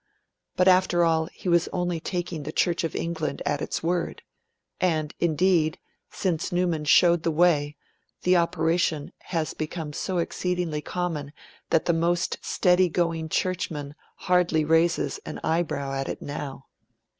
But, after all, he was only taking the Church of England at its word. And indeed, since Newman showed the way, the operation has become so exceedingly common that the most steady going churchman hardly raises an eyebrow at it now.